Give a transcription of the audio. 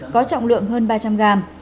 có trọng lượng hơn ba trăm linh gram